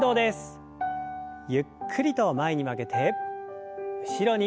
ゆっくりと前に曲げて後ろに。